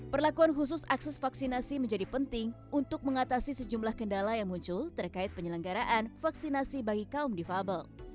perlakuan khusus akses vaksinasi menjadi penting untuk mengatasi sejumlah kendala yang muncul terkait penyelenggaraan vaksinasi bagi kaum difabel